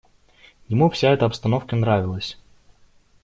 Ему вся эта обстановка нравилась.